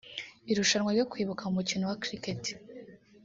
Irushanwa ryo kwibuka mu mukino wa Cricket